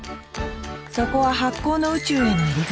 そこは発酵の宇宙への入り口。